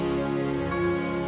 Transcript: iya waalaikumsalam waalaikumsalam